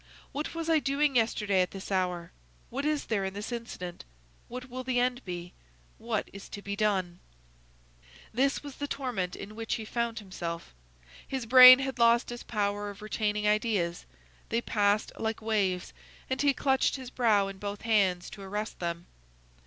What was I doing yesterday at this hour? What is there in this incident? What will the end be? What is to be done?" This was the torment in which he found himself. His brain had lost its power of retaining ideas; they passed like waves, and he clutched his brow in both hands to arrest them.